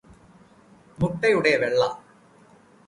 മുട്ടയുടെ വെള്ള